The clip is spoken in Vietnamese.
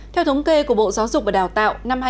theo thống kê của bộ giáo dục và đào tạo